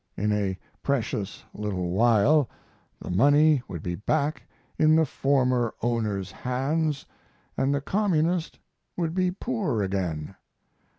In a precious little while the money would be back in the former owner's hands and the communist would be poor again.